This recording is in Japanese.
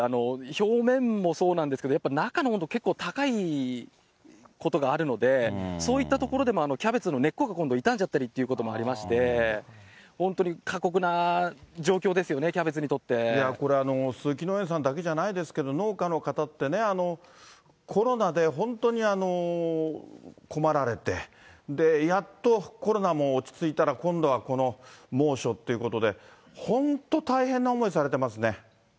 表面もそうなんですけど、やっぱり中の温度、結構、高いことがあるので、そういったところでもキャベツの根っこが今度傷んじゃったりということもありまして、本当に過酷な状況ですよね、キャベツにとっいやこれ、鈴木農園さんだけじゃないですけれども、農家の方ってね、コロナで本当に困られて、やっとコロナも落ち着いたら、今度はこの猛暑ってことで、本当大変な思いされてますね。